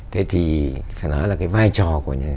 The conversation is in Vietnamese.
thế thì phải nói là cái vai trò của